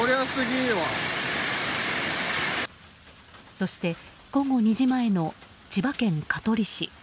そして、午後２時前の千葉県香取市。